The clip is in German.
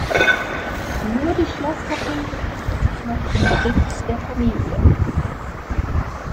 Nur die Schlosskapelle befindet sich noch im Besitz der Familie.